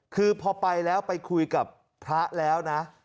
คือพอไปแล้วไปคุยกับพระแล้วนะ